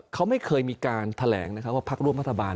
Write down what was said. เขาไม่เคยมีการแถลงนะครับว่าพักร่วมรัฐบาล